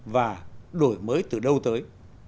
và đổi mới từ đâu tới